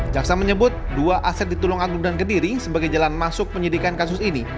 jaksa menyebut dua aset di tulung agung dan kediri sebagai jalan masuk penyidikan kasus ini